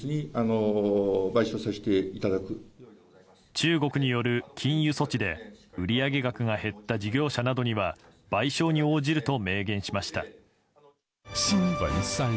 中国による、禁輸措置で売上額が減った事業者などには賠償に応じると明言しました。